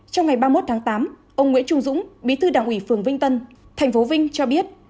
trong ngày ba mươi một tháng tám ông nguyễn trung dũng bí thư đảng ủy phường vinh tân tp vinh cho biết